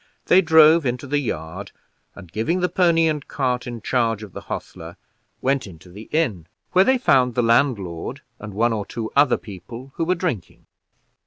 They drove into the yard, and, giving the pony and cart in charge of the hostler, went into the inn, where they found the landlord, and one or two other people, who were drinking.